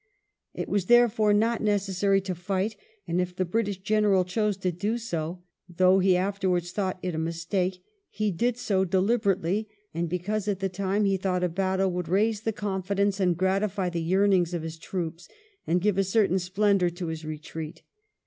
It was therefore not necessary to fight, and if the British General chose to do so, though he afterwards thought it a mistake, he did so deliberately and because, at the time, he thought a battle would raise the confidence and gratify the yearnings of his troops, and give a certain splendour to his retreat.